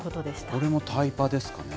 これもタイパですかね。